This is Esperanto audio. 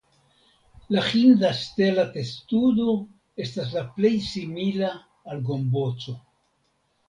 La hinda stela testudo estas la plej simila al gomboco.